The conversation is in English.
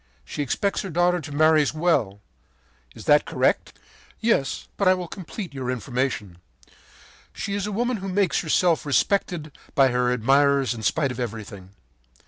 She expects her daughter to marry well. Is that correct?” “Yes, but I will complete your information. She is a woman who makes herself respected by her admirers in spite of everything.